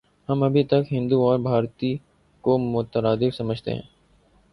ہم ابھی تک 'ہندو‘ اور 'بھارتی‘ کو مترادف سمجھتے ہیں۔